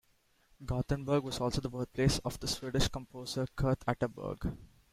Gothenburg also was the birthplace of the Swedish composer Kurt Atterberg.